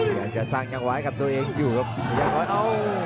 อยากจะสร้างยังไหว้กับตัวเองอยู่กับพยายามน้อยโอ้